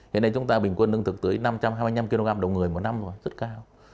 hiện nay chúng ta bình quân lương thực tới năm trăm hai mươi năm kg đầu người một năm rồi rất cao